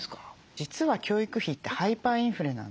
実は教育費ってハイパーインフレなんですね。